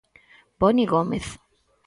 Boni Gómez.